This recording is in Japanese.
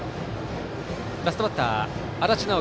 ラストバッター足立直緒